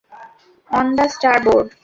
On the starboard!